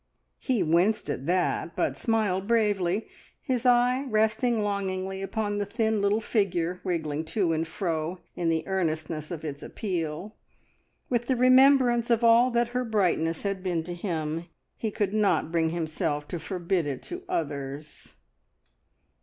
He winced at that, but smiled bravely, his eye resting longingly upon the thin little figure wriggling to and fro in the earnestness of its appeal. With the remembrance of all that her brightness had been to him, he could not bring himself to forbid it to others.